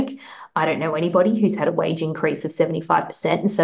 saya tidak tahu siapa yang memiliki peningkatan wajah tujuh puluh lima